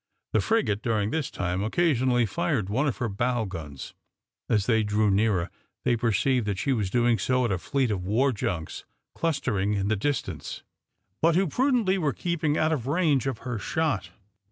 The frigate, during this time, occasionally fired one of her bow guns. As they drew nearer, they perceived that she was doing so at a fleet of war junks clustering in the distance, but who prudently were keeping out of range of her shot.